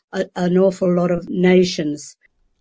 jadi itu adalah banyak bahasa banyak negara